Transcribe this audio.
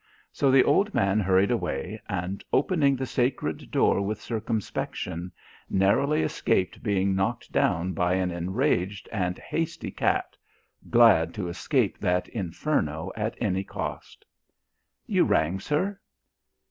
So the old man hurried away and, opening the sacred door with circumspection, narrowly escaped being knocked down by an enraged and hasty cat glad to escape that inferno at any cost. "You rang, sir?"